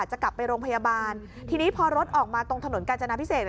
จะกลับไปโรงพยาบาลทีนี้พอรถออกมาตรงถนนกาญจนาพิเศษ